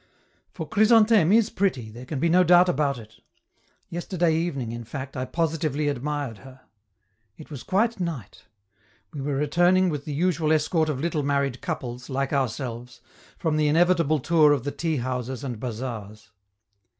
For Chrysantheme is pretty, there can be no doubt about it. Yesterday evening, in fact, I positively admired her. It was quite night; we were returning with the usual escort of little married couples like ourselves, from the inevitable tour of the tea houses and bazaars.